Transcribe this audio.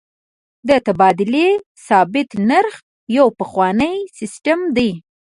د تبادلې ثابت نرخ یو پخوانی سیستم دی.